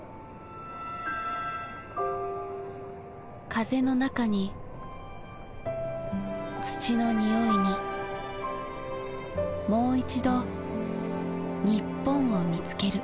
風の中に土の匂いにもういちど日本を見つける。